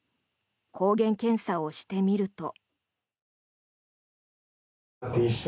抗原検査をしてみると。